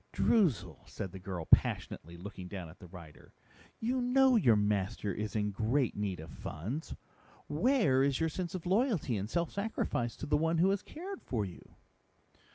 "Droozle," said the girl passionately, looking down at the writer, "you know your master is in great need of funds. Where is your sense of loyalty and self sacrifice for the one who has cared for you?"